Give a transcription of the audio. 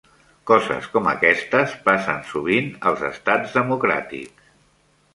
Coses com aquestes passen sovint als estats democràtics.